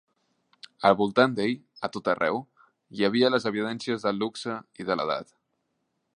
Al voltant d'ell, a tot arreu, hi havia les evidències del luxe i de l'edat.